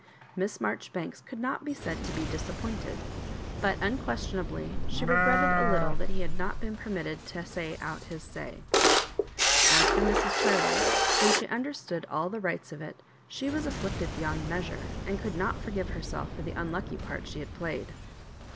Miss Maijoribanks could not be said to be disappointed, but unquestion ably she regretted a little that he had not been permitted to say out his say. As for Mrs. Chiley, when she understood all the rigfils of it, she was afflicted beyond measure, and oould not forgive herself for the unlucky part she had played.